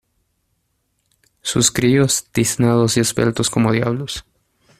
sus críos, tiznados y esbeltos como diablos